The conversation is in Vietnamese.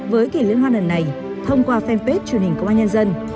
với kỷ liên hoan lần này thông qua fanpage truyền hình công an nhân dân